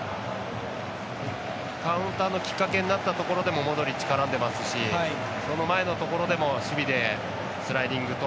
カウンターのきっかけになったところでもモドリッチ絡んでいますしその前のところでも守備でスライディングと。